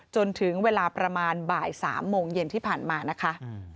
จนถึงเวลาประมาณบ่าย๓โมงเย็นที่ผ่านมานะคะ